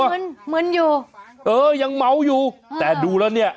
เหมือนเหมือนอยู่เออยังเหมาอยู่แต่ดูแล้วเนี้ย